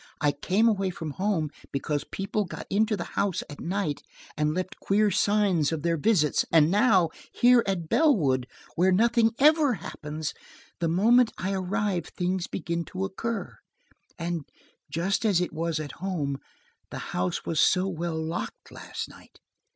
"I came away from home because people got into the house at night and left queer signs of their visits, and now, here at Bellwood, where nothing ever happens, the moment I arrive things begin to occur. And–just as it was at home–the house was so well locked last night."